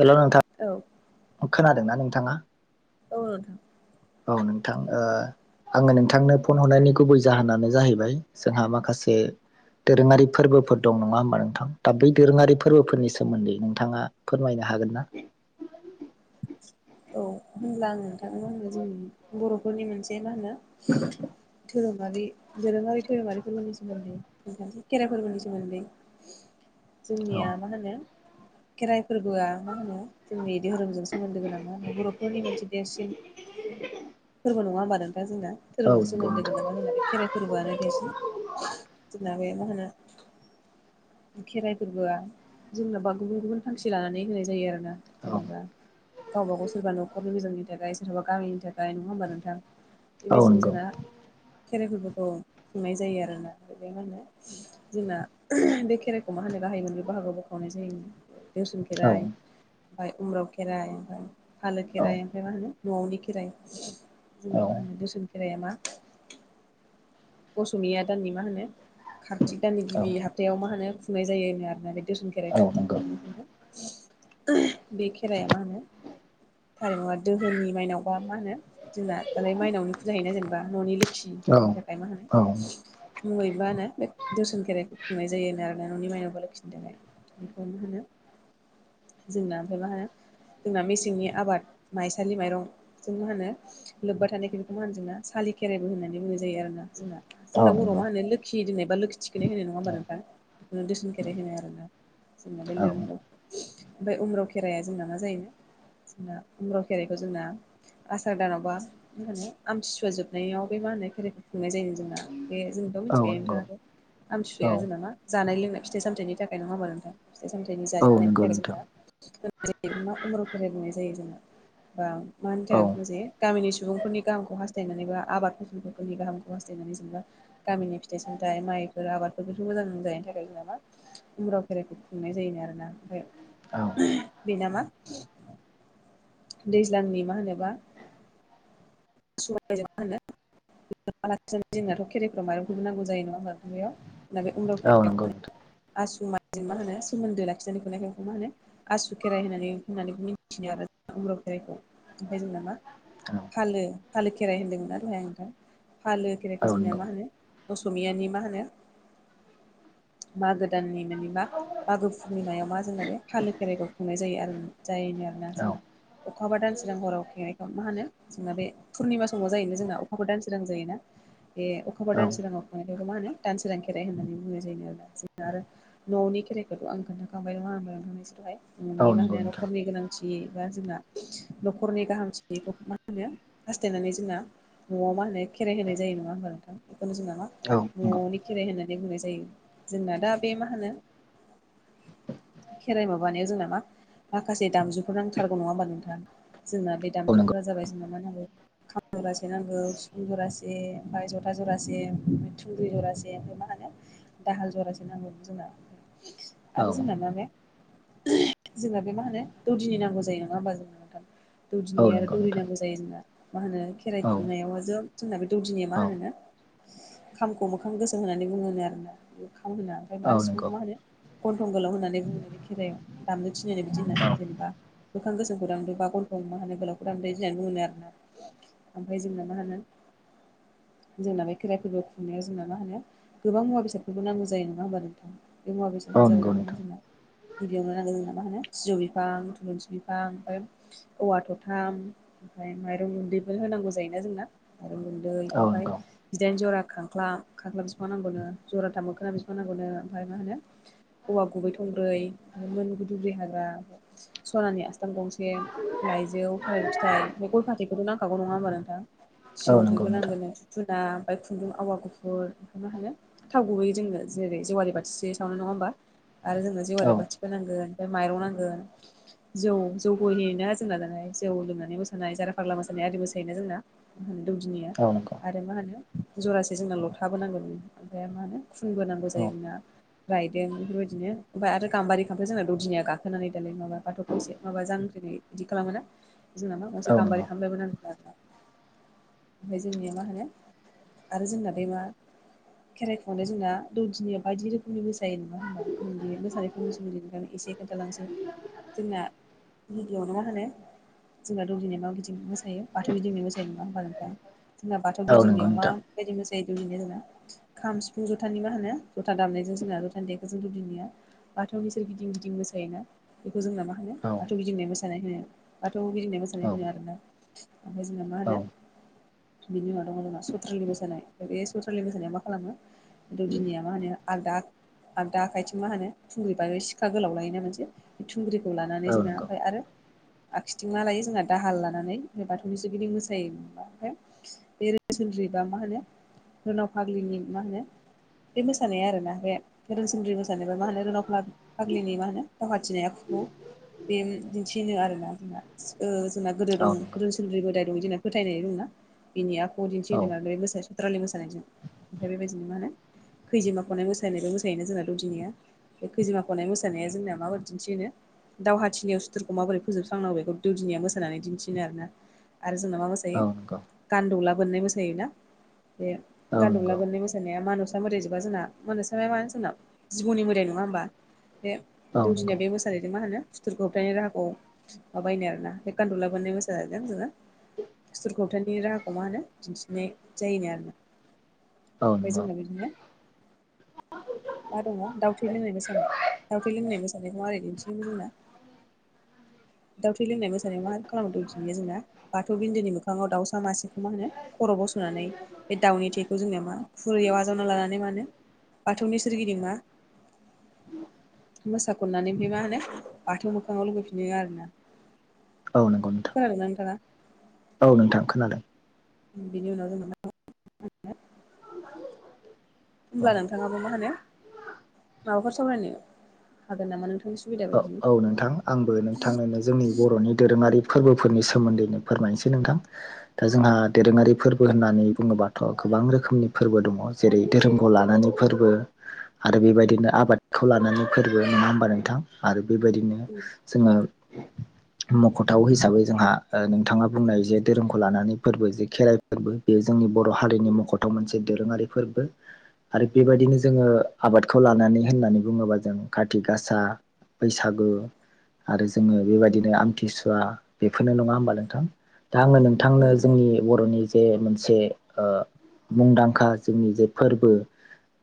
हेल' औ नोंथां खोनादोंना नोंथाङा? नोंथां औ नोंथां ओ आङो नोंथांनो फन हरनायनि गुबै जाहोनानो जाहैबाय जोंहा माखासे दोरोङारि फोरबोफोर दं नङा होमबा नोंथां दा बै दोरोङारि फोरबोफोरनि सोमोन्दै नोंथाङा फोरमायनो हागोन ना? औ होमबा आं नोंथांजों मा होनो जोंनि बर'फोरनि मोनसे मा होनो [inaudible] धोरोमारि दोरोङारि धोरोमारि फोरबोनि सोमोन्दैख खेराइ फोरबोनि सोमोन्दै। [inaudible] जोंनिया मा होनो खेराइ फोरबोआ मा होनो जोंनि धोरोमजों सो मोन्दो गोनां बर'फोरनि मोनसे देरसिन फोरबो नङा होमबा नोंथां जोंना। औ धोरोमजों नंगौ सोमोन्दो नोंथां गोनां रोंनाय खेराइ फोरबोआनो देरसि जोंना बे मा होनो खेराइ फोरबोआ जोंनोबा गुबुन गुबुन थांखि लानानै होनाय जायो आरो। औ जेनबा गावबा गाव सोरबा न'खर नखरनि मोजांनि थाखाय सोरहाबा गामिनि थाखाय नङा होनबा नोंथां औ बेबादिनो नंगौ जोंना खेराइ फोरबोखौ खुंनाय जायो आरोना बे मा होनो जोंना बे खेराइखौ मा होनो गाहायैमोन ब्रै बाहागो बोखावनाय जायो देवसन औ खेराइ ओमफफ्राय उम्राव खेराइ ओमफ्राय फालो खेराइ ओमफ्राय मा होनो न'आवनि खेराइ। औ जोंना मा होनो दोसोन खेराइाया मा असमिया दाननि मा होनो कार्तिक दाननि गिबि हाथायाव मा होनो खुंनाय जायो आरोना बे दोसन खेराइखौ नंगौ मा होनो बे खेराया मा होनो थारिमुआ दोहोनि माइनाव बा मा होनो जोंना दालाय माइनावनि फुजा होयोना जेनेबा न'नि औ नंगौ औ लोखिनि थाखाय मा होनो औ मुङैबानो बे दरसन खेराइखौ खुंनाय जायोनो आरो। न'नि माइनाव बा लोखि थाखाय बेखौ मा होनो जोंना ओमफ्राय मा होनो जोंना मेसेंनि आबाद माइसालि माइरं जों मा होनो लोब्बा थानायख बेखौ मा होनो जोंना सालि खेराइबो होननानै बुंनाय जायो आरो ना। जोंना औ जोंना बर' नंगौ मा होनो लोखि दोननाय बा लोखि थिखनाय होनाय नङा होमबा नोंथां ओ दोरसोन खेराय होनो आरो ना जोंना बे लेरनाय राव ओमफ्राय उम्रु खेराइाया जोंना मा जायो जोंना उम्रु खेराइखौ जोंना आसार दानावबा मा होनो आमथिसुवा जोबनायाव बे मा होनो खेराइखौ खुंनाय जायो जोंना बे जोंथ' मिथिखायो नोंथाङाथ औ आमथिसुवाया जोंना मा जानाय लोंनाय फिथाइ सामथाइनि थाखाय नङा होमबा नोंथां फिथाइ सामथाइनि औ जानाय लोंनायनि नंगौ थाखाय नोंथां जोंना होन जायो मा उमरु खेराइ बुंनाय जायो जोना ओ मा होनो औ खायजे गामिनि सुबुंफोरनि गाहामखौ हास्थाय [unintelligible] गामिनि फिथाइ सामथाइ माइफोर आबादफोरफोरखौथ' मोजां मोनो जायनि थाखाय जों मा उम्राव खेराइखौ खुंनाय जायो आरोना ओमफ्राय औ [unintelligible] दैज्लांनि मा होनोबा सबायजों मा होनो औ नंगौ नोंथां [unintelligible] [unintelligible] आसु खेराइ होननानै होननानै मिथिनो आरो उम्रु खेराइखौ ओमफ्राय जोंना मा औ फालो फालो खेराइ होन्दोंमोनना दहाय आं नोंथां फालो औ खेराइखौ जोंनिया नंगौ मा होनो असमियानि मा होनो मागो दाननि माने मा मागो पुर्निमायाव मा जोंना बे फालो खेराइखौ खुंनाय जायो आरो जायोनो आरोना औ जोंना अखाफोर दानसोरां हराव खुंनायखाय मा होनो जोंना बे पुर्निमा समाव जायोनो जोंना अखाफोर दानस सोरां जायोना बे अखाफोर औ दानसङाव मखौ मा होनो दानसोरां खेराइ होननानै बुंनाय जायो आरोना जोंना आरो [unintelligible] न'खरनि नंगौ नोंथां गाहामथिखौ मा होनो हास्थायनानै जोंना न'आव मा होनो खेराइ होनाय जायो नङा होनबा नोंथां बेखौनो जोंना मा औ नंगौ न'नि खेराइ होननानै बुंनाय जायो जोंना दा बे मा होनो खेराइ माबानायाव जोंना नामा माखासे दामजुफोर नांथारगौ नङा होनबा [unintelligible] जोंना बे औ नंगौ दामजुफोरा जाबाय जोंना मा होनो खाम जरासे नांगौ सिफुं जरासे ओमफ्राय जथा जरासे थुंग्रि जरासे ओमफ्राय मा होनो दाहाल जरासे नांगौ जोंना औ आरो जोंना मा बे जोंना बे मा होनो दौदिनि नांगौ जायो नङा होमबा जोंनो नोंथां औ दौदिनि आरो नंगौ दौरि नोंथां नांगौ जायो जोंना मा होनो खेराइ औ खुंनायाव जों जोंना बे दौदिनिया मा औ होनोनो खामखौ मोखां गोसोम होननानै बुङोनो आरोना बे खाम होना ओमफ्राय औ आरो नंगौ सिफुंखौ मा होनो गन्थं गोलाव होननानै बुङो बे खेराइायाव दामनो थिनोनो बिदि होननानै जेनेबा मोखां गोसोम गानदो बा गन्थ' मा होनो गोलाव गानदो [unintelligible] आरोना ओमफ्राय जोंना मा होनो, जोंना बे खेराइफोरबो खुंनायाव जोंना मा होनो गोबां मुवा बेसादफोरखौ नांगौ जायो नङा होमबा नोंथां बे मुवा औ बेसादफोर जाबाय नंगौ मा होनो नोंथां जोंना गिबियावनो नांगौ जोंना मा होनो सिजौ बिफां थुलुंसि बिफां ओ औवा थथाम ओमफ्राय माइरं गुन्दैबो होनांगौ जायोना जोंना अन- दै औ ओमफ्राय नंगौ बिदाइनो जरा खांख्ला खांख्लाब बिसेबां नांगौनो जरााथाम मोखोना बेबां नांगौनो ओमफ्राय मा होनो औवा गुबै थंब्रै फ्राय मोनगै दुब्रि हाग्रा सनानि आसथाम गंसे लाइजौ थालिर फिथाइ बे गय फाथैखौथ' नांखागौ नङा होमबा नोंथां औ नंगौ सिन्दुरबो नोंथां नांगोन दुप-दुना ओमफफ्राय खुन्दुं आवा गुफुर मा होनो थाव गुबहैयो जोङो जेरै जेवाारि बाथिसे सावनो नङा होमबा आरो जोङो जेवारि औ बाथिखौ नांगोन ओमफ्राय माइरं नांगोन जौ जौ होयोना जोंना दाय जौ लोंनानै मोसानाय जारा फाग्ला मोसानाय आरि मोसायोना जोंना म दौदिनिया [unintelligible] आरो मा होनो जरासे जोंना लथाबोनांगौ ओमफ्राय मा होनो खुनबोनांगौ औ जायो जोंना रायदों बेफोरबायदिनो ओमफ्राय आरो गाम्बारि खाम्फजों जोंना ददिनिया गाखोनानै दालाय माबा बाथौखौ एसे माबा जांख्रिनाय बिदि खालामोना जोंन मा औ गंसे नंगौ गाम्बारि खामफालायबो नांगो आरो ओमफ्राय जोंनिया मा होनो आरो जोंना बे मा खेराइखौनाय जोंना दौदिनि बायदि रोखोमनि - जायो नङा होमबा नों बे मोसानायफोरनि सोमोन्दैफ्राय एसे खोन्थालांसै जोंना गिबियावनो मा होनो जोंहा दौदिनिआ मा बायदि मोसायो बाथौ गिदिंनाय मोसायो नंङा होमबाथ नोंथां जोंना बाथौ औ नंगौ गिदिंनायाव नोंथां माबायदि मोसायो दौदिनाय जोंना खाम सिफुं जथानि मा होनो जथा दामनायजों जोंना जथानि देखौ जों दौदिनिया बाथौनि सोर गिदिं गिदिं मोसायोना बेखौ जोंना मा होनो औ बाथौ गिदिंनाय मोसानाय होनो बाथ' गिदिंनाय मोसानाय औ होनो आरोना ओमफ्राय जोंङो मा औ होनो बिनि उनाव दङ जोंना सुथ्रलि मोसानाय बे सुथ्रलि मोसानाया मा खालामो दौदिनिया मा होनो आलदा आलदा आखाइथिं मा होनो थुंग्रि ब सिखा गोलाव लायोना मोनसे बे थुंग्रिखौ लाना बिदिनो नंगौ औ नंगौ ओमफ्राय आरो आखिथिं मा लायो जोंना दाहाल लानानै ओमफ्राय बाथौनि सोरगिदिं मोसायो ओमफ्राय बे रोसोनद्रिबा मा होनो सोरनाव फाग्लिनि मा होनो बे मोसानाया आरोना बे गोदोनसिोम्रि मोसानायोबा मा होनो रोनाव फाग्लिनि मा होनो दावाखाथिनाया खुगु बे दिन्थिनो आर ना जोंना जोंना गोदो औ नंगौ औ नंगौ औ नंगौ औ नंगौ दङ औ गोदो सोलुरि गोदाय दं जोंना फोथायनाय दंना बिनि आखु दिन्थिदों आरो बे मो सत्रालि मोसानायजों ओमफ्राय बेबायदिनो मा होनो खैजिोमा खनाय मोसानायबो मोसायोना जोंना दौदिनिया बे खैजिोमा खनाय मोसानाया जोंना माबोरै दिन्थिनो दावहाथिनि सुथुरखौ माबोरै फोजोबस्रांनांगौखौ दउदिनिया मोसानानै दिन्थिनो आरोना आरो जोंना मा मो बे गान्दौला बोननाय मोसोना बे गान्दौला बोननाय मोसा मानुसा मोदै जोबा जोंना मानुसाया जोंनाव जिबौननि नङा होनोमबा बे दौदिनिया बे मोसानायैदों मा होनो सुथुरखौ होबथनाय राहाखौ माबायनो आरोना बे गान्दुलाबोननाय मोसानायजों जोङो सुथुरखौथनि राहाखौ मा होनो दिन्थिनाय जायोनो आरो ना ओमफ्राय जोंना बिदिनो मा दङ दावउथै लोंनाय मोसानाय दावथै लोंनाय मोसानायखौ मारै दिन्थियोमोन जोंना दाउथै लोंनाय मोसानायाव मा खालामद जोंना ब थौबिन्दोनि मोखाङाव दाउसा मासेखौ मा होनो खर' बसनानै बे दाउनि थेखौ जोंनाया मा खुरैयाव आजावना लानानै मानो बाथौनि सोरगिदिं मा मोसा खननानै ओमफ्राय मा होनो बाथौ मोखाङाव लुहैफिनो आरोना नंगौ नोंथां खोनादोना नोंथां आ औ नोंथां खोनादों बिनि उनाव जों‌ [inaudible] औ होनब्ला नोंथाङाबो मा होनो माबाफोर सावरायनो हागोन नामा नोंथांनि सुबिदा अ बायदि औ नोंथां आंबो नोंथांनोनो जोंनि बर'नि दोरोङारि फोरबोफोरनि सोमोन्दैनो फोरमायनोसै नोंथां दा जोंहा दोरोङारि फोरबो होननानै बुङोबाथ' गोबां रोखोमनि फोरबो दङ जेरै धोरोमखौ लानानै फोरबो आरो बेबायदिनो आबादखौ लानानै फोरबो नङा होमबा नोंथां आरो बेबायदिनो सिङार मख'थाव हिसाबै जोंहा ओ नोंथाङा बुंनाय जे धोरोमखौ लानानै फोरबो जे खेराइ फोरबो बेयो जोंनि बर' हारिनि मखथाव मोनसे दोरोङारि फोरबो आरो बेबायदिनो जोङो आबादखौ लानानै होननानै बुङोबा जों काति गासा बैसागु आरो जोङो बेबायदिनो आमथिसुवा बेफोरनो नङा होमबा नोंथां दा आंनो‌ नों औ थांनो नंगौ जोंनि बर'नि जे मोनसे ओ मुंदांखा जोंनि जे फोरबो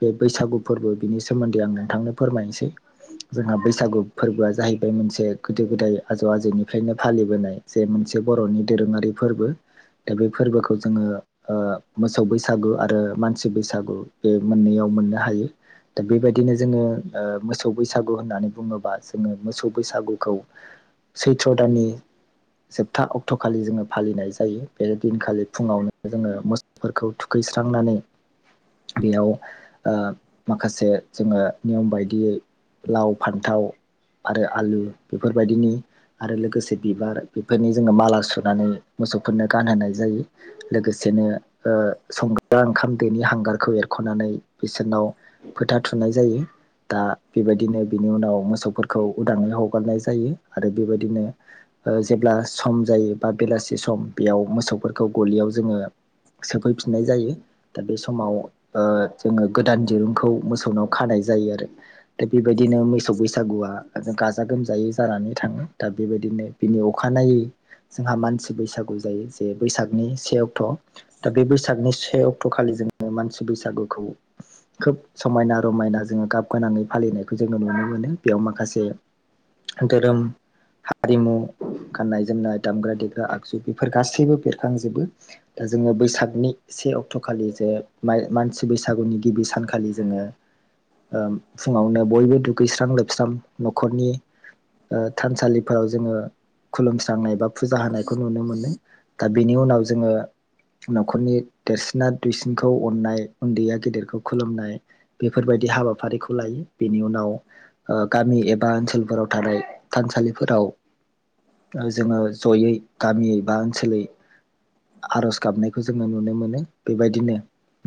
बे बैसागु फोरबो बिनि सोमोन्दै आं नोंथांनो फोरमायनोसै जोंहा बैसागु फोरबोआ जाहैबाय मोनसे गोदो गोदाय आजौ आजौनिफ्रायनो फालिबोनाय जे मोनसे बर'नि दोरोङारि फोरबो दा बे फोरबोखौ जोङो ओ मोसौ बैसागु आरो मानसि बैसागु बे मोननैयाव मोननो हायो दा बेबायदिनो जोङो ओ मोसौ बैसागु होननानै बुङोबा जोङो मोसौ बैसागुखौ सैथ्र' दाननि जोबथा अक्ट'खालि जोङो फालिनाय जायो बे दिनखालि फुङावनो जोङो मोसो फोरखौ थुखैस्रांनानै बेयाव ओ माखासे जोङो नियम बायदियै लाव फानथाव आरो आलु बेफोरबायदिनि आरो लोगोसे बिबार बेफोरनि जोङो माला सुनानै मोसौफोरनो गानहोनाय जायो लोगोसेनो ओ संग्रा ओंखाम दैनि हांगारखौ एरख'नानै बिसोरनाव फोथा थुनाय जायो दा बेबायदिनो बिनि उनाव मोसौफोरखौ उदाङै हगारनाय जायो आरो बेबायदिनो ओ जेब्ला सम जायो बा बेलासि सम बेयाव मोसौफोरखौ गलियाव जोङो सोफैफिननाय जायो दा बे समाव ओ जोङो गोदान दिरुं खौ मोसौनाव खानाय जायो आरो थिग बेबाय बिदिनो मोसौ बैसागुआ गाजा गोमजायै जानानै थाङो दा बेबायदिनो बिनि अखानायै। जोंहा मानसि बैसागु जायो जे बैसागनि से अक्ट' दा बे बैसागनि से अक्ट' अक्ट'खालि जोङो मानसि बैसागुखौ खोब समायना रमायना जोङो गाब गोनाङै फालिनाय जोङो नुनो मोनो बेयाव माखासे धोरोम हारिमु गाननाय जोमनाय दामग्रा देग्रा आगजु बेफोर गासैबो बेरखांजोबो दा जोङो बैसागनि से अक्ट'खालि जे मानसि बैसागुनि गिबि सानखालि जोङो ओ फुङावनो बयबो दुगैस्रां लोबस्रां न'खरनि ओ थानसालिफोराव जोङो खुलुमस्रांनाय बा फुजा होनायखौ नुनो मोनो दा बेनि उनाव जोङो न'खरनि देरसिना दुइसिनखौ अननाय उन्दैया गेदेरखौ खुलुमनाय बेफोरबायदि हाबाफारिखौ लायो बेनि उनाव ओ गामि एबा ओनसोलफोराव थानाय थानसालिफोराव ओ जोङो जयै गामियै बा ओनसोलै आर'ज गाबनायखौ जोङो नुनो मोनो बेबायदिनो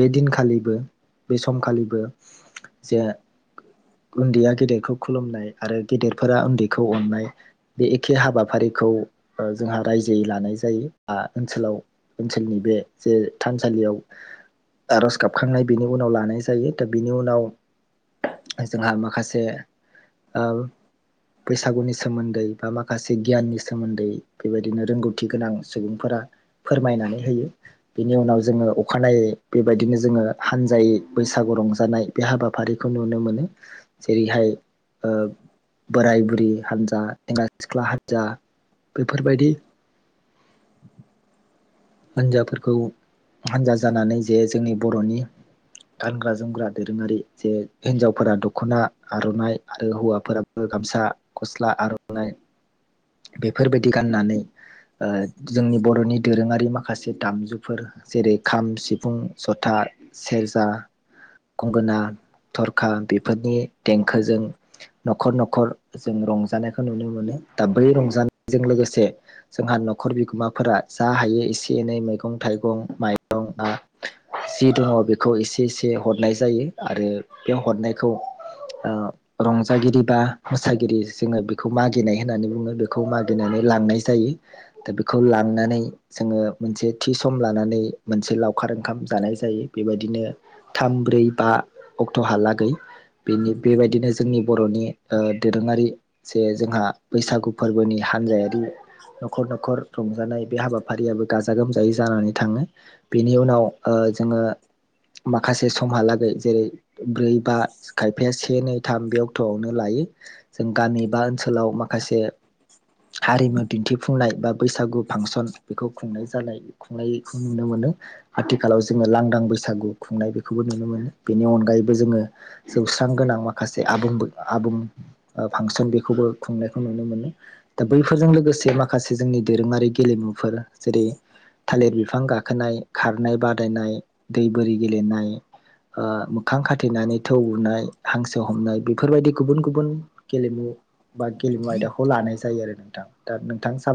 बे दिनखालिबो बे समखालिबो जे उन्दैया गेदेरखौ खुलुमनाय आरो गेदेरफोरा उन्दैखौ अननाय बे एखे हाबाफारिखौ ओ जोंहा रायजोयै लानाय जायो बा ओनसोलाव ओनसोलनि बे जे थानसालियाव आर'ज गाबखांनाय बिनि उनाव लानाय जायो दा बिनि उनाव जोंहा माखासे बैसागुनि सोमोन्दै बा माखासे गियाननि सोमोन्दै बेबायदिनो रोंगौथि गोनां सुबुंफोरा फोरमायनानै होयो बिनि उनाव जोङो अखानायै बेबायदिनो जोङो हानजायै बैसागु रंजानाय बे हाबाफारिखौ नुनो मोनो जेरैहाय बोराय बुरि हान्जा सेंग्रा सिख्ला हान्जा बेफोरबायदि हिजाफोरखौ हान्जा जानानै जे जोंनि बर'नि गानग्रा जोमग्रा दोरोङारि जे हिनजावफोरा दख'ना आर'नाइ आरो हौवाफोरा गामसा गस्ला आर'नाइ बेफोरबायदि गाननानै जोंनि बर'नि दोरोङारि माखासे माखासे दामजुफोर जेरै खाम सिफुं जथा सेरजा गंगोना थरखा बेफोरनि देंखोजों न'खर न'खर जों रंजानायखौ नुनो मोनो दा बै रंजानायजों लोगोसे जोंहा न'खर बिगोमाफोरा जा हायो एसे एनै मैगं थाइगं माइरं जि दङ बेखौ एसे एसे हरनाय जायो आरो बे हरनायखौ आ रंजागिरि बा मोसागिरि जोङो बेखौ मागिनाय होननानै बुङो बेखौ मागिनानै लांनाय जायो। दा बेखौ लांनानै जोङो मोनसे थि सम लानानै मोनसे लावखार ओंखाम जानाय जायो बेबायदिनो थाम ब्रै बा अक्ट'हालागै बेनि बेबायदिनो जोंनि बर'नि ओ दोरोङारि जे जोंहा बैसागु फोरबोनि हानजायारि न'खर न'खर रंजानाय बे हाबाफारियाबो गाजा गोमजायै जानानै थाङो बेनि उनाव ओ जोङो माखासे समहालागै जेरै ब्रै बा खायफाया से नै थाम बे अक्ट'आवनो लायो जों गामि बा ओनसोलाव माखासे हारिमु दिन्थिफुंनाय बा बैसागु फांसन बेखौ खुंनाय जानाय खुंनायखौ नुनो मोनो। आथिखालाव जोङो लांदां बैसागु खुंनाय बेखौबो नुनो मोनो बेनि अनगायैबो जोङो जौस्रां गोनां माखासे आबुंबो आबुं ओ फांसन बेखौबो खुंनायखौ नुनो मोनो। दा बैफोरजों लोगोसे माखासे जोंनि दोरोङारि गेलेमुफोर जेरै थालिर बिफां गाखोनाय खारनाय बादायनाय दै बोरि गेलेनाय ओ मोखां खाथेनानै थौ उनाय हांसो हमनाय बेफोरबायदि गुबुन गुबुन गेलेमु बा गेलेमु आयदाखौ लानाय जायो आरो नोंथां दा नोंथां साबाय